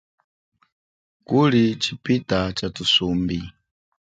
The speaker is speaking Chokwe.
Kuli chipita cha thusumbi.